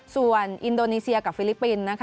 ส่วนอินโดนีเซียกับฟิลิปปินส์นะคะ